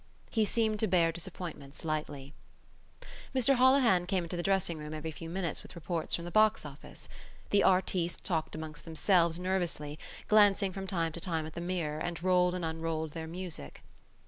He seemed to bear disappointments lightly. Mr Holohan came into the dressing room every few minutes with reports from the box office. The artistes talked among themselves nervously, glanced from time to time at the mirror and rolled and unrolled their music.